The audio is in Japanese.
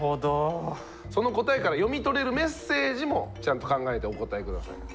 その答えから読み取れるメッセージもちゃんと考えてお答え下さい。